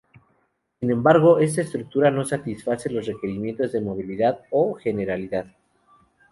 Sin embargo, esta estructura no satisface los requerimientos de movilidad o generalidad.